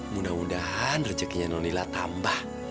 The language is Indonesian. mudah mudahan rejekinya nonila tambah